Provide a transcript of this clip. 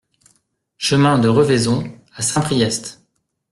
Chemin de Revaison à Saint-Priest